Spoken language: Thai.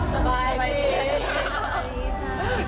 สมายดี